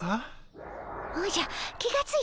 おじゃ気がついたかの。